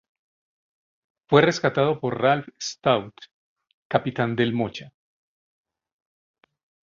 Fue rescatado por Ralph Stout, capitán del "Mocha".